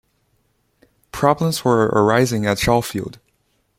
Problems were arising at Shawfield.